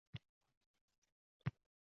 Keyin bir devona shamollar esdi